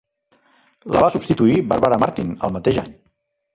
La va substituir Barbara Martin el mateix any.